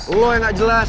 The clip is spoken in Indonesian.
lo yang nggak jelas